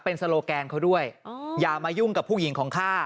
เป็นโซโลแกนเขาด้วยอย่ามายุ่งกับผู้หญิงของข้า